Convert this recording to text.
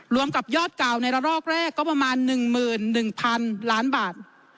กับยอดเก่าในระลอกแรกก็ประมาณ๑๑๐๐๐ล้านบาท